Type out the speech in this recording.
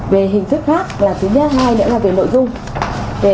về hình thức khác là thứ nhất hai nữa là về nội dung